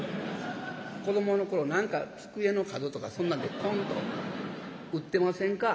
子どもの頃何か机の角とかそんなんでコンと打ってませんか？